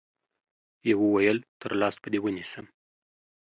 يوه ويل تر لاس به دي ونيسم